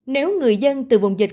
nếu người dân từ vùng dịch